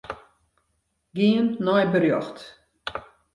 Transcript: Gean nei berjocht.